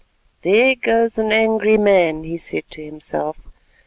"There goes an angry man," he said to himself.